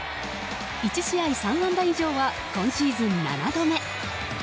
１試合３安打以上は今シーズン７度目。